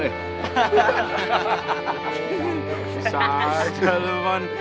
bisa aja lu man